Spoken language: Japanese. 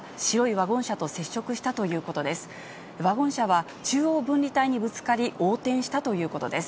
ワゴン車は中央分離帯にぶつかり、横転したということです。